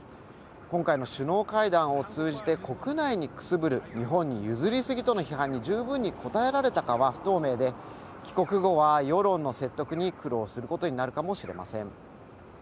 今回の首脳会談を通じて国内にくすぶる日本に譲りすぎとの批判に十分に応えられたかは不透明で、帰国後は世論の説得に苦労することになるかもしれません。